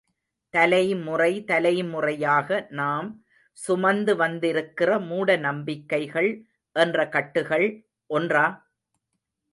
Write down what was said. தலைமுறை தலைமுறையாக நாம் சுமந்து வந்திருக்கிற மூடநம்பிக்கைகள் என்ற கட்டுகள் ஒன்றா?